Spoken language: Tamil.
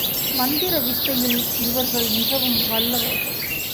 மந்திர வித்தையில் இவர்கள் மிகவும் வல்லவர்கள்.